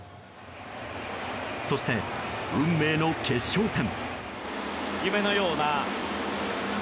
そして、運命の決勝戦。